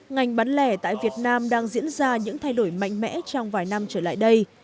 ngành bán lẻ tại việt nam đang diễn ra những thay đổi mạnh mẽ trong vài năm trở lại đây